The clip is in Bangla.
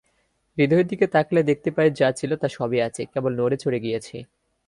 হৃদয়ের দিকে তাকালে দেখতে পাই যা ছিল তা সবই আছে, কেবল নড়ে-চড়ে গিয়েছে।